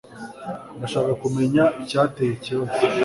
Ndashaka kumenya icyateye ikibazo